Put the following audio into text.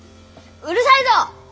うるさいぞッ！